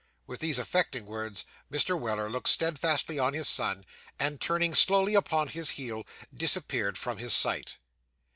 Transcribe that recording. With these affecting words, Mr. Weller looked steadfastly on his son, and turning slowly upon his heel, disappeared from his sight.